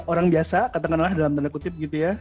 orang biasa katakanlah dalam tanda kutip gitu ya